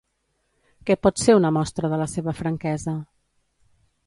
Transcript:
Què pot ser una mostra de la seva franquesa?